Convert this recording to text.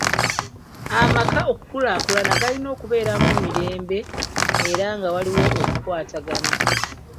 Amaka okukulaakulana galina okubeera mu mirembe era nga waliwo okukwatagana.